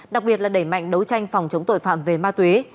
đặc biệt là đẩy mạnh đấu tranh phòng chống tội phạm về ma túy